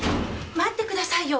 待ってくださいよ。